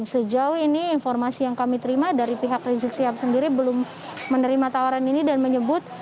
sejauh ini informasi yang kami terima dari pihak rizik sihab sendiri belum menerima tawaran ini dan menyebut